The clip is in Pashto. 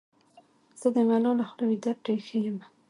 زه دې ملاله خوله وېده پرې اېښې یمه.